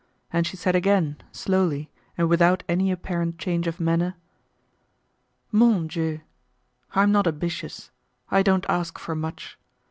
And she said again, slowly, and without any apparent change of manner: "Mon Dieu! I'm not ambitious; I don't ask for much.